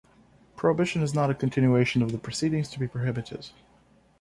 Prohibition is not a continuation of the proceedings to be prohibited.